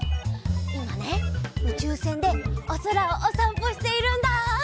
いまねうちゅうせんでおそらをおさんぽしているんだ。